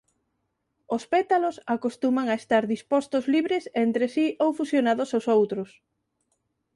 Os pétalos acostuman a estar dispostos libres entre si ou fusionados ós outros.